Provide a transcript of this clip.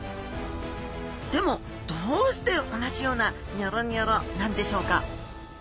でもどうして同じようなニョロニョロなんでしょうか？